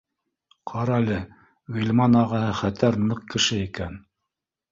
Ҡарәле, Ғилман ағаһы хәтәр ныҡ кеше икән